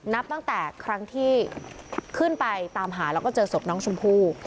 นับตั้งแต่ครั้งที่ขึ้นไปตามหาแล้วก็เจอศพน้องชมพู่